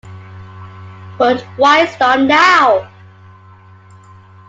But why stop now?